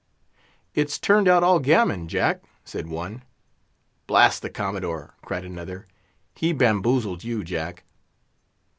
"It's turned out all gammon, Jack," said one. "Blast the Commodore!" cried another, "he bamboozled you, Jack."